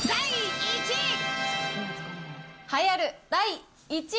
第１位。